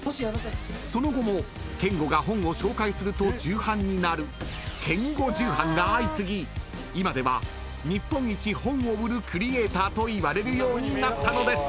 ［その後もけんごが本を紹介すると重版になるけんご重版が相次ぎ今では日本一本を売るクリエイターといわれるようになったのです］